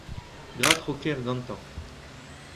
Gra tro kêr gantañ.